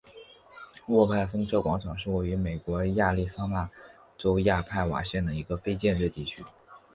沃克风车广场是位于美国亚利桑那州亚瓦派县的一个非建制地区。